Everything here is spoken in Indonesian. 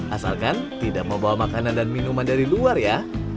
asalkan tidak membawa makanan dan minuman dari luar ya